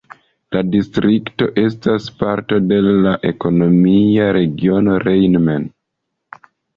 La distrikto estas parto de la ekonomia regiono Rhein-Main.